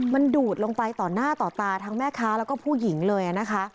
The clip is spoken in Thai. มันดูดลงไปต่อหน้าต่อตาทั้งแม่ค้าแล้วก็ผู้หญิงเลยนะคะ